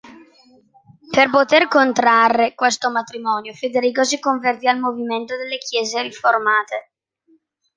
Per poter contrarre questo matrimonio Federico si convertì al movimento delle chiese riformate.